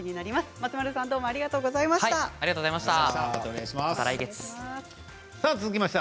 松丸さんありがとうございました。